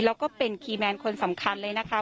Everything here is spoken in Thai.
แล้วก็เป็นคีย์แมนคนสำคัญเลยนะคะ